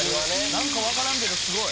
何か分からんけどすごい。